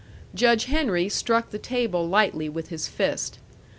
Judge Henry struck the table lightly with his fist.